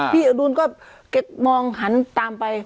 พี่ยืนก็มองหันตามไป